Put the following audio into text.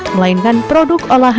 melainkan produk olahannya